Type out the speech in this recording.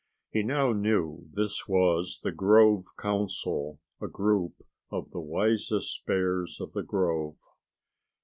He now knew this was the grove council, a group of the wisest bears of the grove.